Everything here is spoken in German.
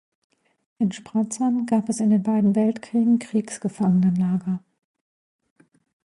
In Spratzern gab es in den beiden Weltkriegen Kriegsgefangenenlager.